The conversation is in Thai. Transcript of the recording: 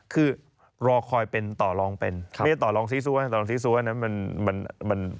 คือรอคอยเป็นต่อรองเป็นครับไม่ต่อรองซี้ซัวร์ต่อรองซี้ซัวร์นะมันมันมัน